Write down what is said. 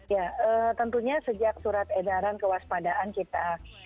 ya tentunya sejak surat edaran kewaspadaan kita